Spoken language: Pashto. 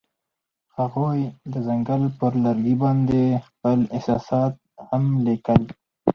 هغوی د ځنګل پر لرګي باندې خپل احساسات هم لیکل.